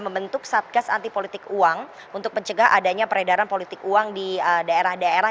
membentuk satgas anti politik uang untuk mencegah adanya peredaran politik uang di daerah daerah